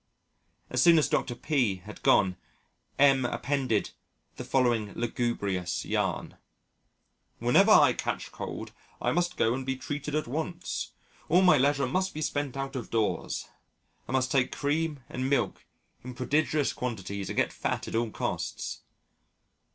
As soon as Dr. P had gone, M appended the following lugubrious yarn: Whenever I catch cold, I must go and be treated at once, all my leisure must be spent out of doors, I must take cream and milk in prodigious quantities and get fat at all costs.